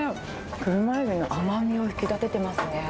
車エビの甘みを引き立ててますね。